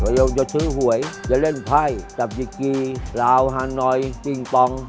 โดยยกจะซื้อหวยจะเล่นไพรจับจิ๊กกี้ราวฮานอยปิงปอง